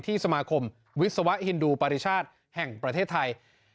สมาคมวิศวะฮินดูปริชาติแห่งประเทศไทย